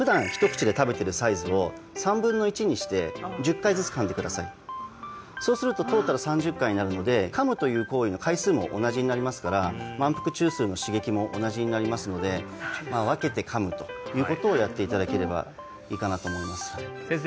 ガムなら噛めますけどすごい大変だよなのでそうするとトータル３０回になるので噛むという行為の回数も同じになりますから満腹中枢の刺激も同じになりますので分けて噛むということをやっていただければいいかなと思います先生